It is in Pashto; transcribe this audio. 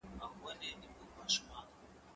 زه بايد سبزیجات جمع کړم